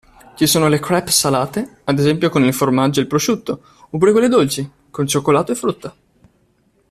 Ci sono le crêpe salate, ad esempio con il formaggio e il prosciutto, oppure quelle dolci, con cioccolato e frutta.